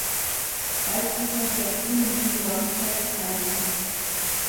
Paykuna llakulmi waqaykalin.